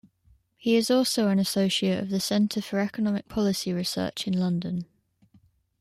He is also an associate of the Centre for Economic Policy Research in London.